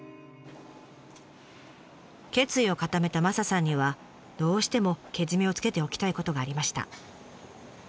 決意を固めたマサさんにはどうしてもけじめをつけておきたいことがありました。